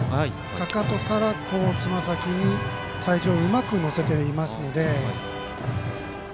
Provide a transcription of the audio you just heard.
かかとから、つま先に体重をうまく乗せていますので。